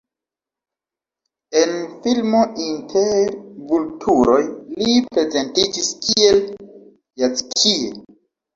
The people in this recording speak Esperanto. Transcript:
En filmo Inter vulturoj li prezentiĝis kiel Jackie.